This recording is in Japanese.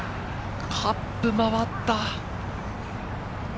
カップ回った！